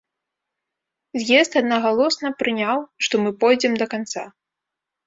З'езд аднагалосна прыняў, што мы пойдзем да канца.